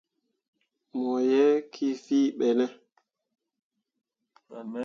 Mo ye kii fìi ɓe ne ?